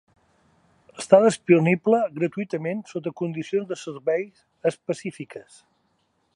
Està disponible gratuïtament sota condicions de servei específiques.